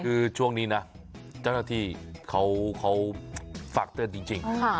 คือช่วงนี้นะเจ้าหน้าที่เขาฝากเตือนจริง